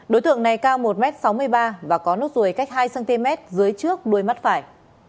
đối tượng này cao một m sáu mươi ba và có nốt ruồi cách hai cm dưới trước đuôi mắt phải